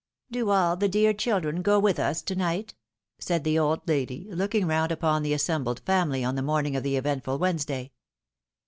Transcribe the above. " Do all the dear children go with us to night? " said the old lady, looking round upon the assembled family on the morning of the eventful Wednesday.